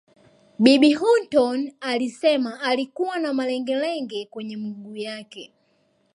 Bibi Hutton alisema alikuwa na malengelenge kwenye miguu yake